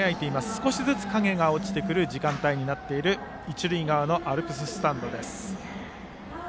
少しずつ影が落ちてくる時間帯になっている一塁側のアルプススタンドです。